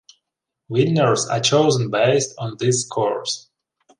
Winners are chosen based on these scores.